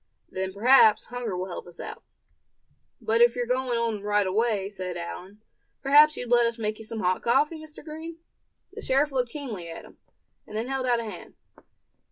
Then perhaps hunger will help us out." "But if you're going on right away," said Allan, "perhaps you'd let us make you some hot coffee, Mr. Green?" The sheriff looked keenly at him, and then held out a hand.